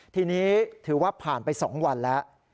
ทีนี้ถือว่าผ่านไป๒วันแล้ว